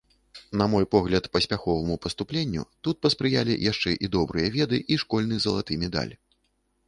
На мой погляд, паспяховаму паступленню тут паспрыялі яшчэ добрыя веды і школьны залаты медаль.